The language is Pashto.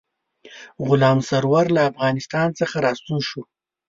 غلام سرور له افغانستان څخه را ستون شو.